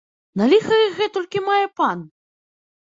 На ліха іх гэтулькі мае пан?